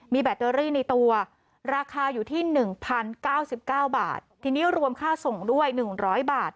มีแบตเตอรี่ในตัวราคาอยู่ที่หนึ่งพันเก้าสิบเก้าบาททีนี้รวมค่าส่งด้วยหนึ่งร้อยบาท